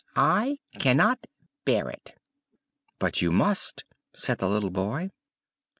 "I cannot bear it!" "But you must!" said the little boy.